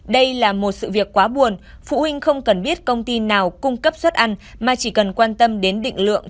đây là một sự việc quá buồn phụ huynh không cần biết công ty nào cung cấp suất ăn mà chỉ cần quan tâm đến định lượng